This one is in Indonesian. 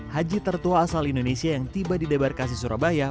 haji tertua asal indonesia yang tiba di debarkasi surabaya